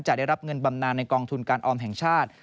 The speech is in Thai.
ได้รับเงินบำนานในกองทุนการออมแห่งชาติ